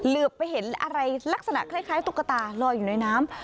ไปเห็นอะไรลักษณะคล้ายตุ๊กตาลอยอยู่ในน้ำ